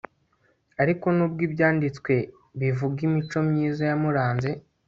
ariko nubwo ibyanditswe bivuga imico myiza yamuranze